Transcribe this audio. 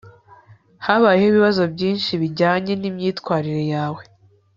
habayeho ibibazo byinshi bijyanye nimyitwarire yawe